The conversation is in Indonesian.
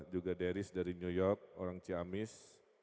juga deris dari new york orang ciamis